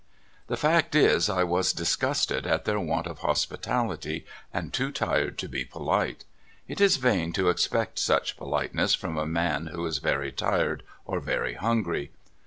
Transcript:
The fact is, I was disgusted at their want of hospitality, and too tired to be polite. It is vain to expect much politeness from a man who is very tired or very hungry.